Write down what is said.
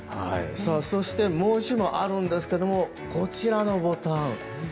そしてもう１問あるんですがこちらのボタン